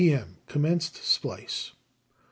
M., commenced splice; 5.